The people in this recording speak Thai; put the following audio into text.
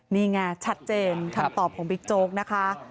นี่ไงชัดเจนคำตอบของบิ๊กโจ๊กนะคะ